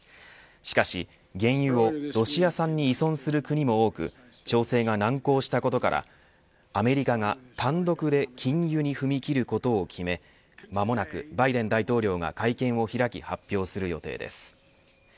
しかし、原油をロシア産に依存する国も多く調整が難航したことからアメリカが単独で禁輸に踏み切ることを決め間もなくバイデン大統領が会見を開き発表する予定です。